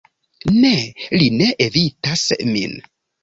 Ne, li ne evitas min.